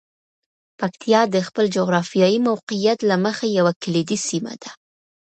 پکتیا د خپل جغرافیايي موقعیت له مخې یوه کلیدي سیمه ده.